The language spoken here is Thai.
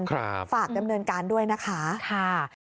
ฝากดำเนินการด้วยนะคะค่ะ